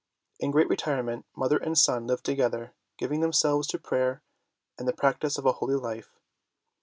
In great retirement, mother and son lived together, giving themselves to prayer and the practise of a holy life.